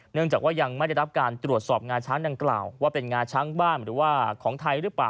เนื่องจากว่ายังไม่ได้รับการตรวจสอบงาช้างดังกล่าวว่าเป็นงาช้างบ้านหรือว่าของไทยหรือเปล่า